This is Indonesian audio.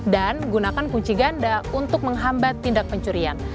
dan gunakan kunci ganda untuk menghambat tindak pencurian